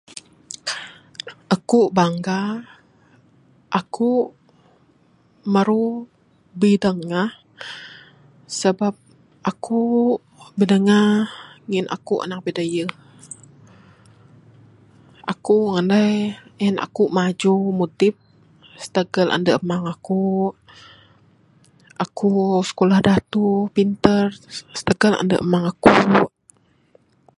Aku'k bangga. Aku'k maru bidangah sebab aku'k bidangah ngin aku'k anak Bidayuh. Aku ngandai en aku'k maju mudip sitagal andu amang aku'k. Aku'k skulah datuh, pintar sitagal andu amang aku'k.